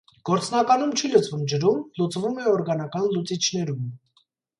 Գործնականում չի լուծվում ջրում, լուծվում է օրգանական լուծիչներում։